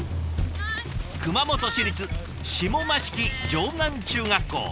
熊本市立下益城城南中学校。